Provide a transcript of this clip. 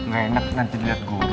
gak enak nanti diliat guru